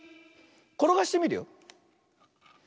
ころがしてみるよ。